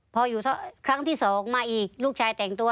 พออยู่ครั้งที่สองมาอีกลูกชายแต่งตัว